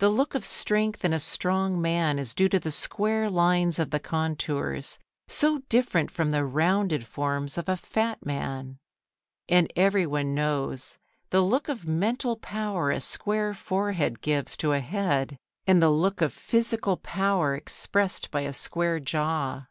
The look of strength in a strong man is due to the square lines of the contours, so different from the rounded forms of a fat man. And everyone knows the look of mental power a square forehead gives to a head and the look of physical power expressed by a square jaw.